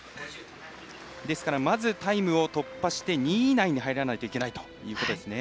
ですから、まずタイムを突破して２位以内に入らないといけないということですね。